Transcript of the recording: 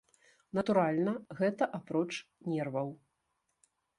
Натуральна, гэта апроч нерваў.